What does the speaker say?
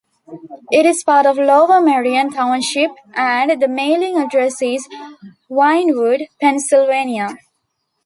It is part of Lower Merion Township, and the mailing address is Wynnewood, Pennsylvania.